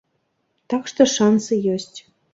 Так што шансы ёсць.